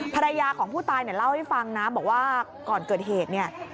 ภรรยาของผู้ตายเนี่ยเล่าให้ฟังนะบอกว่าก่อนเกิดเหตุเนี่ย